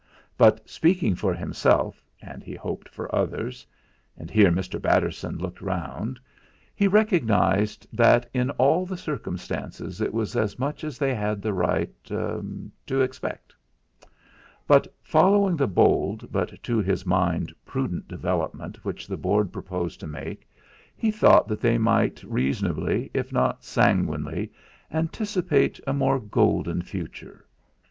but speaking for himself, and he hoped for others and here Mr. Batterson looked round he recognised that in all the circumstances it was as much as they had the right er to expect. But following the bold but to his mind prudent development which the Board proposed to make, he thought that they might reasonably, if not sanguinely, anticipate a more golden future.